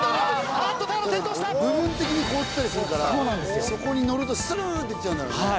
部分的に凍ってたりするからそこに乗るとスルンって行っちゃうんだろうね。